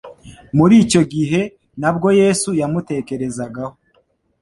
Muri icyo gihe na bwo Yesu yamutekerezagaho.